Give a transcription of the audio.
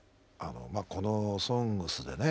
この「ＳＯＮＧＳ」でね